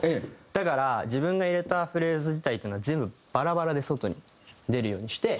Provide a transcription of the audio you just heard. だから自分が入れたフレーズ自体っていうのは全部バラバラで外に出るようにして。